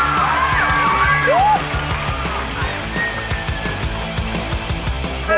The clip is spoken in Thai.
ว้าวว้าวว้าว